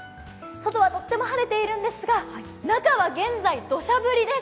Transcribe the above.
外はとっても晴れているんですが中は現在どしゃ降りです。